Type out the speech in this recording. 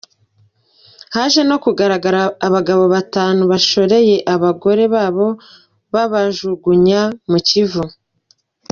Haje no kugaragara abagabo batanu bashoreye abagore babo babajugunya mu kivu.